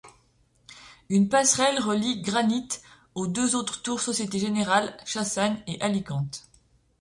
Une passerelle relie Granite aux deux autres tours Société Générale, Chassagne et Alicante.